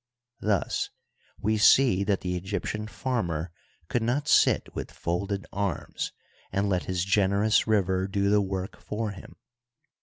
Thus we see that the Egyptian farmer could not sit with folded arms and let his generous river do the work for him.